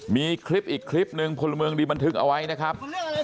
มีคลิปอีกคลิปหนึ่งพลเมืองดีบันทึกเอาไว้นะครับ